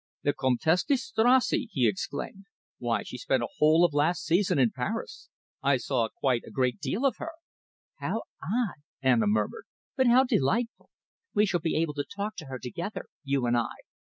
"The Comtesse di Strozzi!" he exclaimed. "Why, she spent the whole of last season in Paris. I saw quite a great deal of her." "How odd!" Anna murmured. "But how delightful! We shall be able to talk to her together, you and I."